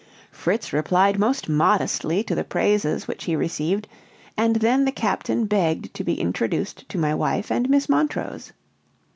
Fritz replied most modestly to the praises which he received, and then the captain begged to be introduced to my wife and Miss Montrose.